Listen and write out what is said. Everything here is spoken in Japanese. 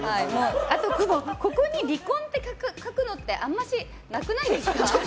あとここに離婚って書くのってあまりなくないですか？